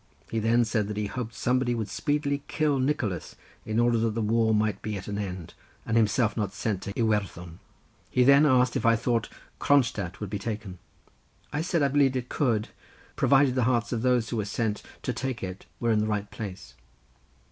He then said that he hoped somebody would speedily kill Nicholas, in order that the war might be at an end and himself not sent to Iwerddon. He then asked if I thought Cronstadt could be taken. I said I believed it could, provided the hearts of those who were sent to take it were in the right place.